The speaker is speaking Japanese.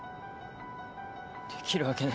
できるわけない。